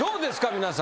皆さん。